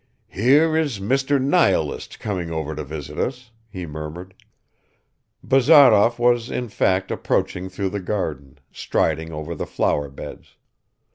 "Here is Mr. Nihilist coming over to visit us," he murmured. Bazarov was in fact approaching through the garden, striding over the flower beds.